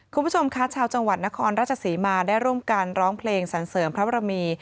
คุณผู้ชมคะชาวจังหวัดนครราชศรีมาได้ร่วมกันร้องเพลงสรรเสริมพระบรมี